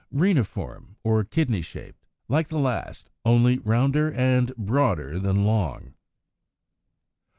Reniform, or Kidney shaped (Fig. 131), like the last, only rounder and broader than long.